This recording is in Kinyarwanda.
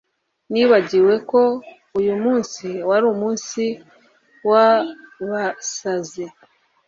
nibagiwe ko uyumunsi wari umunsi wabasazi